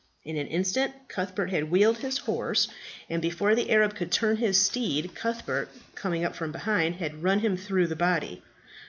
In an instant Cuthbert had wheeled his horse, and before the Arab could turn his steed Cuthbert, coming up from behind, had run him through the body.